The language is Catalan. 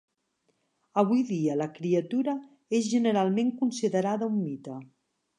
Avui dia la criatura és generalment considerada un mite.